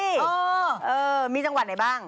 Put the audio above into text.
เออมีจังหวัดไหนบ้าง